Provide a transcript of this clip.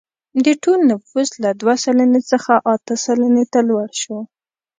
د ټول نفوس له دوه سلنې څخه اته سلنې ته لوړ شو.